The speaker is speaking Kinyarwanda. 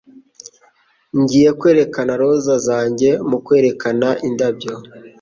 Ngiye kwerekana roza zanjye mu kwerekana indabyo.